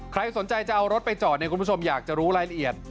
ใครสนใจจะเอารถไปจอดเนี่ยคุณผู้ชมอยากจะรู้รายละเอียด